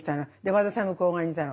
和田さんがここにいたの。